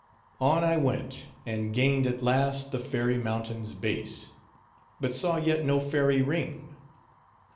On I went, and gained at last the fairy mountain's base, but saw yet no fairy ring.